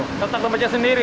retak dan pecah sendiri